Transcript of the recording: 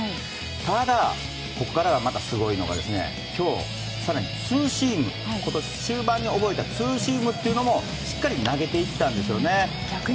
ただ、ここからまたすごいのが今日は更に、今年終盤に覚えたツーシームというのもしっかり投げていったんですよね。